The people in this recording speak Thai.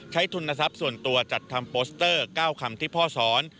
ที่ส่วนตัวจัดทำโปสเตอร์๙คำที่พ่อสอน